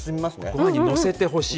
ご飯にのせてほしい。